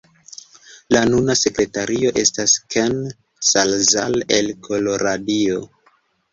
La nuna sekretario estas Ken Salazar el Koloradio.